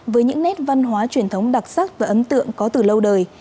với những nét văn hóa truyền thống đặc sắc và ấn tượng có từ lâu đời